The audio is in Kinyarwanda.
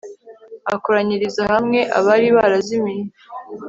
akoranyiriza hamwe abari barazimiye